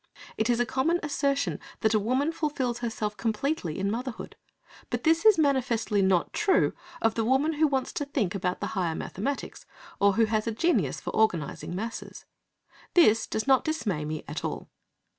It is a common assertion that a woman fulfils herself completely in motherhood, but this is manifestly not true of the woman who wants to think about the higher mathematics, or who has a genius for organising masses. This does not dismay me at all.